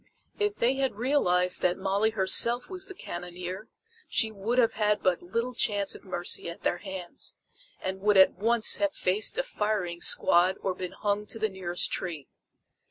If they had realized that Molly herself was the cannoneer, she would have had but little chance of mercy at their hands, and would at once have faced a firing squad or been hung to the nearest tree.